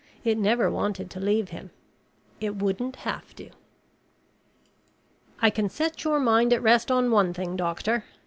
It never wanted to leave him. It wouldn't have to. "I can set your mind at rest on one thing, Doctor.